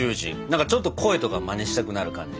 何かちょっと声とかマネしたくなる感じ。